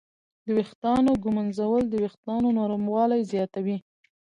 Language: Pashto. د ویښتانو ږمنځول د وېښتانو نرموالی زیاتوي.